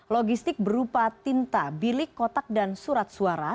logistik berupa tinta bilik kotak dan surat suara